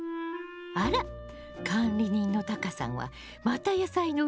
あら管理人のタカさんはまた野菜の売り込みね。